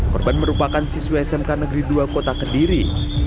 korban merupakan siswa smk negeri dua kota kediri